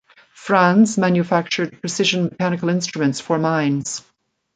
Franz manufactured precision mechanical instruments for mines.